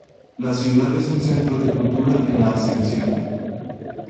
La ciudad es un centro de cultura en la Ascensión.